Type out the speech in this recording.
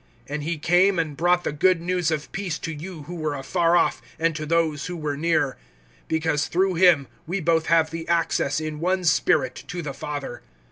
(17)And he came and brought the good news of peace to you who were afar off, and to those who were near. (18)Because through him we both have the access in one Spirit to the Father.